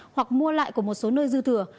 hoặc mua lại của một số nơi dư thừa